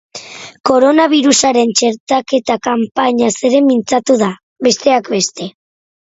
Koronabirusaren txertaketa kanpainaz ere mintzatu da, bestek beste.